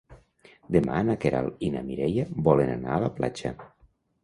Demà na Queralt i na Mireia volen anar a la platja.